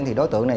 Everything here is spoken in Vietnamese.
thì đối tượng này